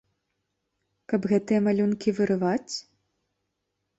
Каб гэтыя малюнкі вырываць?